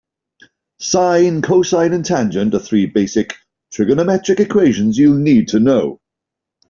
Sine, cosine and tangent are three basic trigonometric equations you'll need to know.